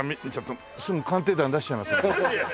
すぐ『鑑定団』に出しちゃいますんで。